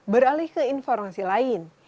beralih ke informasi lain